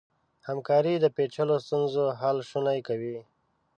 همکاري د پېچلو ستونزو حل شونی کوي.